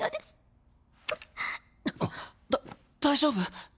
だ大丈夫？